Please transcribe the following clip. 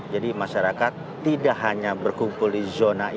jadi masyarakat tidak hanya berkumpul di zona